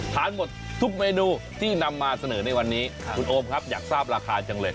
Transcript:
ทานหมดทุกเมนูที่นำมาเสนอในวันนี้คุณโอมครับอยากทราบราคาจังเลย